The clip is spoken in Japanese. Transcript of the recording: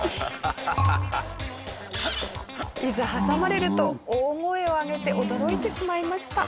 いざ挟まれると大声を上げて驚いてしまいました。